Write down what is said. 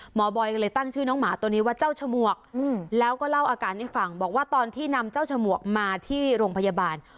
บอยก็เลยตั้งชื่อน้องหมาตัวนี้ว่าเจ้าฉมวกแล้วก็เล่าอาการให้ฟังบอกว่าตอนที่นำเจ้าฉมวกมาที่โรงพยาบาล